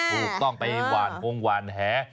ถูกต้องไปหวานคงหวานแห